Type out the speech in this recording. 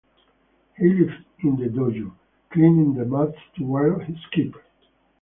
He lived in the dojo, cleaning the mats to earn his keep.